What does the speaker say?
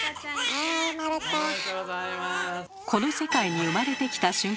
この世界に生まれてきた瞬間